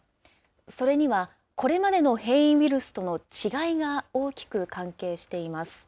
それにはこれまでの変異ウイルスとの違いが大きく関係しています。